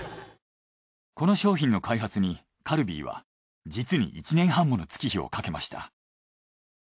この商品の開発にカルビーは実に１年半もの月日をかけました。